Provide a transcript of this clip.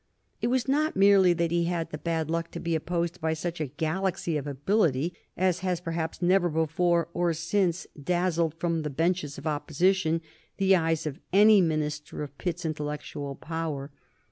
It was not merely that he had the bad luck to be opposed by such a galaxy of ability as has perhaps never before or since dazzled from the benches of Opposition the eyes of any minister of Pitt's intellectual power.